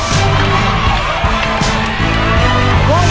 สวัสดีครับ